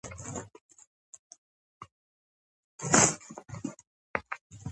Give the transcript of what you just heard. აქვთ მხოლოდ წინა ორი წყვილი ფეხი, მწუწნავი პირის ორგანოები.